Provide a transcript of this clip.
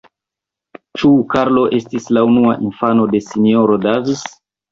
Ĉu Karlo estis la unua infano de S-ro Davis?